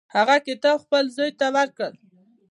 هغه کتاب خپل زوی ته ورکړ.